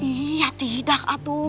iya tidak atuh